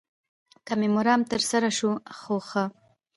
که مې مرام تر سره شو خو ښه.